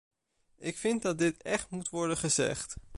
Ik vind dat dit echt moet worden gezegd.